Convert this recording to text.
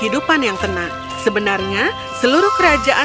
itu adalah bayi perempuan